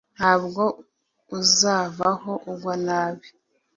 ntabwo uzavaho ugwa nabi